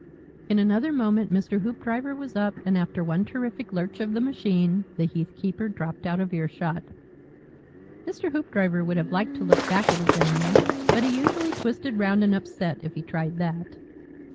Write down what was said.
In another moment Mr. Hoopdriver was up, and after one terrific lurch of the machine, the heathkeeper dropped out of earshot. Mr. Hoopdriver would have liked to look back at his enemy, but he usually twisted round and upset if he tried that.